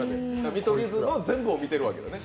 見取り図の全部を見てるわけやね。